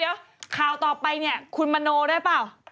เดี๋ยวข่าวต่อไปเนี่ยคุณมโนได้เปล่า